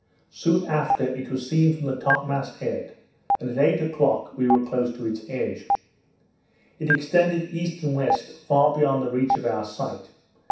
Soon after, it was seen from the top mast head; and at eight o'clock, we were close to its edge. It extended east and west, far beyond the reach of our sight.